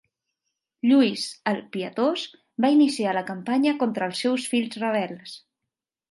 Lluís el Pietós va iniciar la campanya contra els seus fills rebels.